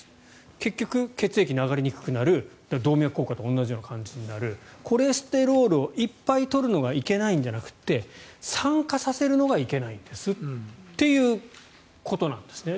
結局、血液が流れにくくなる動脈硬化と同じような感じになるコレステロールをいっぱい取るのがいけないんじゃなくて酸化させるのがいけないんですということなんですね。